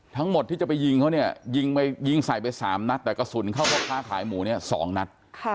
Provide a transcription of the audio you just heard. ทั้งหมดที่จะไปยิงเขาเนี่ยยิงไปยิงใส่ไป๓นัดแต่กระสุนเข้าพ่อค้าขายหมูเนี่ย๒นัด